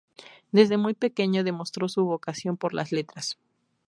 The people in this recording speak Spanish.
Desde muy pequeño demostró su vocación por las letras.